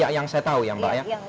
ya yang saya tahu ya mbak ya